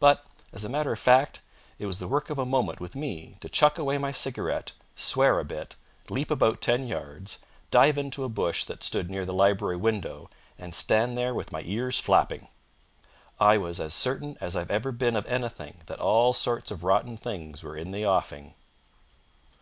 But, as a matter of fact, it was the work of a moment with me to chuck away my cigarette, swear a bit, leap about ten yards, dive into a bush that stood near the library window, and stand there with my ears flapping. I was as certain as I've ever been of anything that all sorts of rotten things were in the offing.